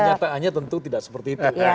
kenyataannya tentu tidak seperti itu